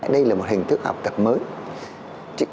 đây là một hình thức học tập mới